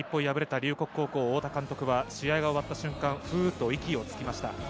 龍谷高校・太田監督は試合が終わった瞬間、息をつきました。